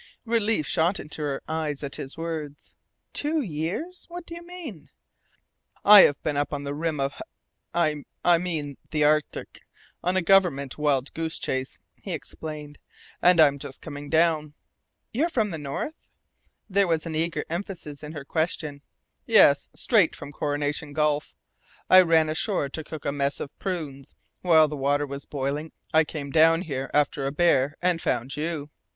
Relief shot into her eyes at his words. "Two years? What do you mean?" "I've been up along the rim of h I mean the Arctic, on a government wild goose chase," he explained. "And I'm just coming down." "You're from the North?" There was an eager emphasis in her question. "Yes. Straight from Coronation Gulf. I ran ashore to cook a mess of prunes. While the water was boiling I came down here after a bear, and found YOU!